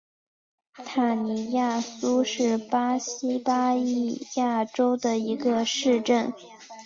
塔尼亚苏是巴西巴伊亚州的一个市镇。